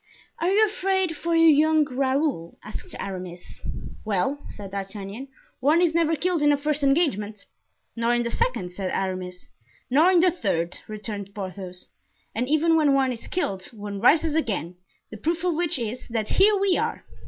"Are you afraid for your young Raoul?" asked Aramis. "Well," said D'Artagnan, "one is never killed in a first engagement." "Nor in the second," said Aramis "Nor in the third," returned Porthos; "and even when one is killed, one rises again, the proof of which is, that here we are!"